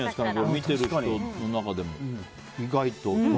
見てる人の中でも、意外と。